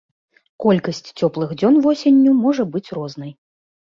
Колькасць цёплых дзён восенню можа быць рознай.